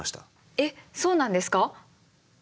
えっそうなんですか？